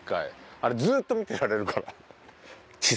あれずっと見てられるから地層。